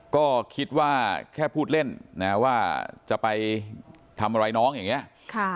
ก็คิดว่าแค่พูดเล่นนะว่าจะไปทำอะไรน้องอย่างนี้